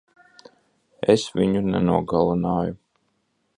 Es viņu nenogalināju.